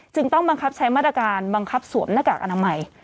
ต้องบังคับใช้มาตรการบังคับสวมหน้ากากอนามัย